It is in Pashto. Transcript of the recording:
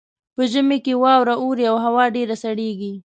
په ژمي کې واوره اوري او هوا ډیره سړیږي